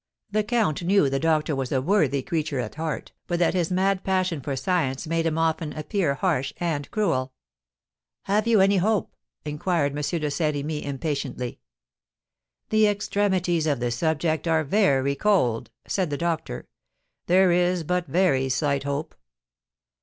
The count knew the doctor was a worthy creature at heart, but that his mad passion for science made him often appear harsh and cruel. "Have you any hope?" inquired M. de Saint Remy, impatiently. "The extremities of the subject are very cold," said the doctor; "there is but very slight hope."